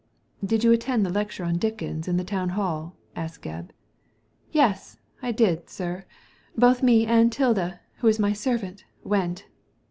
''Did you attend the lecture on Dickens in the Town Hall ?" asked Gebb. "Yes, I did, sir; both me and 'Tilda, who is my servant, went."